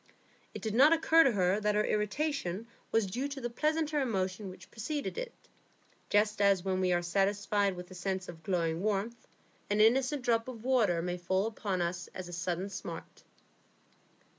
It did not occur to her that her irritation was due to the pleasanter emotion which preceded it, just as when we are satisfied with a sense of glowing warmth an innocent drop of cold water may fall upon us as a sudden smart.